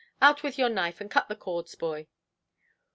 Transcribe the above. "Out with your knife and cut the cords, boy".